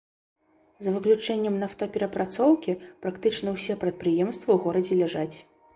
За выключэннем нафтаперапрацоўкі, практычна ўсе прадпрыемствы ў горадзе ляжаць.